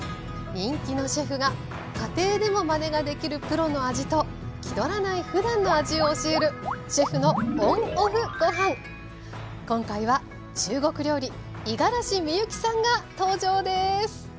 人気のシェフが家庭でもまねができるプロの味と気取らないふだんの味を教える今回は中国料理五十嵐美幸さんが登場です！